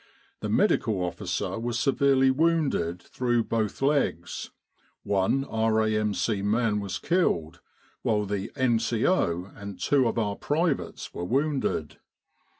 The Medical Officer was severely wounded through both legs, one R.A.M.C. man was killed, while the N.C.O. and two of our privates were wounded.